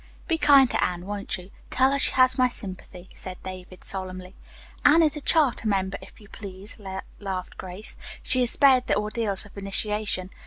"Be kind to Anne, won't you. Tell her she has my sympathy," said David solemnly. "Anne is a charter member, if you please," laughed Grace. "She is spared the ordeals of initiation.